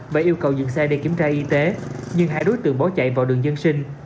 và yêu cầu dừng xe để kiểm tra y tế nhưng hai đối tượng bỏ chạy vào đường dân sinh